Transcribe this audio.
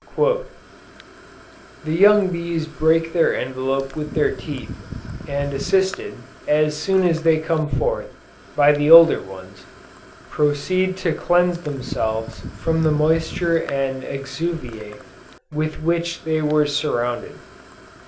"The young bees break their envelope with their teeth, and assisted, as soon as they come forth, by the older ones, proceed to cleanse themselves from the moisture and exuviæ with which they were surrounded.